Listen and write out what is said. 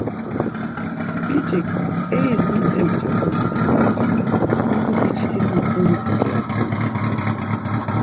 Biç̌ik, eis mot emç̌opum Xasan cumat, mutu giçkin na domitzvi ya utzumels.